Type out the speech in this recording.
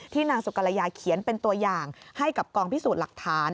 นางสุกรยาเขียนเป็นตัวอย่างให้กับกองพิสูจน์หลักฐาน